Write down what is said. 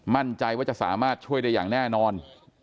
มั่นใจว่าจะสามารถช่วยได้อย่างแน่นอน